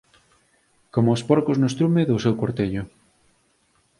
coma os porcos no estrume do seu cortello